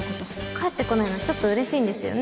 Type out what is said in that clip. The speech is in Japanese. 帰ってこないのちょっと嬉しいんですよね。